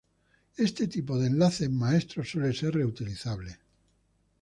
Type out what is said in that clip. Este tipo de enlace maestro suele ser reutilizable.